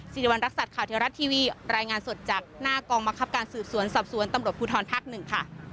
สิริวัณรักษัตริย์ข่าวเทวรัฐทีวีรายงานสดจากหน้ากองบังคับการสืบสวนสอบสวนตำรวจภูทรภาคหนึ่งค่ะ